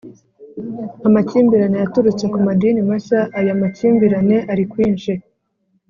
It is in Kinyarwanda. amakimbirane yaturutse ku madini mashya aya makimbirane ari kwinshi.